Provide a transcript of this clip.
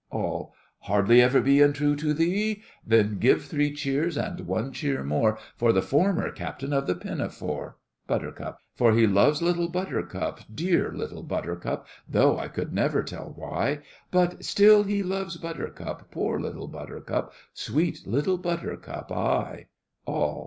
ALL. Hardly ever be untrue to thee. Then give three cheers, and one cheer more For the former Captain of the Pinafore. BUT. For he loves Little Buttercup, dear Little Buttercup, Though I could never tell why; But still he loves Buttercup, poor Little Buttercup, Sweet Little Buttercup, aye! ALL.